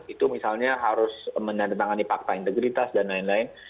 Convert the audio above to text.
itu misalnya harus menandatangani fakta integritas dan lain lain